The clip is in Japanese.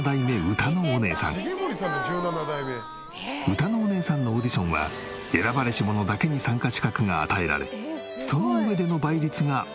うたのおねえさんのオーディションは選ばれし者だけに参加資格が与えられその上での倍率がおよそ６００倍とも